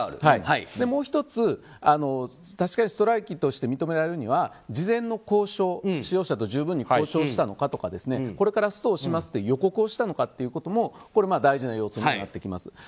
もう１つ、確かにストライキとして認められるには事前の交渉十分に交渉したのかとかこれからストをしますと予告をしたのかということも大事な要素になってきます。